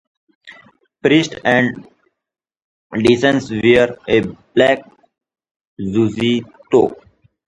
Priests and deacons wear a black zucchetto.